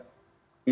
itu sejauh ini